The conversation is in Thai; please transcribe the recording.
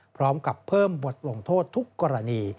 พร้อมกับเพิ่มบทลงโทษทุกกรณี